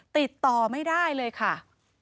ติดต่อไม่ได้เลยค่ะ